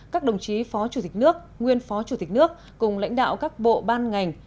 các đồng chí phó chủ tịch nước nguyên phó chủ tịch nước cùng lãnh đạo các bộ ban ngành